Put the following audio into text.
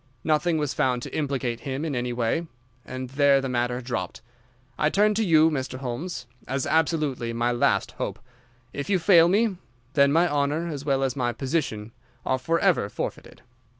Nothing was found to implicate him in any way, and there the matter dropped. I turn to you, Mr. Holmes, as absolutely my last hope. If you fail me, then my honour as well as my position are forever forfeited."